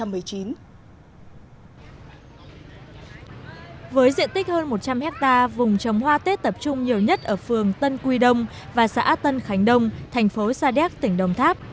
với diện tích hơn một trăm linh hectare vùng trồng hoa tết tập trung nhiều nhất ở phường tân quy đông và xã tân khánh đông thành phố sa đéc tỉnh đồng tháp